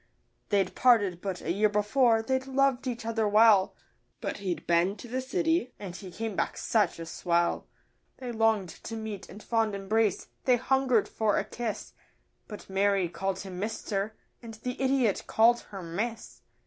They'd parted but a year before; they'd loved each other well, But he'd been to the city, and he came back such a swell. They longed to meet in fond embrace, they hungered for a kiss But Mary called him 'Mister,' and the idiot called her 'Miss.